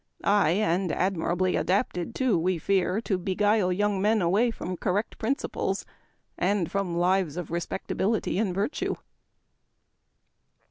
Ay, and admirably adapted too, we fear, to beguile young men away from correct principles, and from lives of respectability and virtue.